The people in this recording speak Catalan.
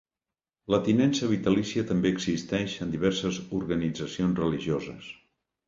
La tinença vitalícia també existeix en diverses organitzacions religioses.